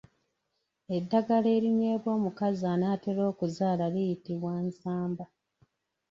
Eddagala erinywebwa omukazi an’atera okuzaala liyitibwa Nsamba.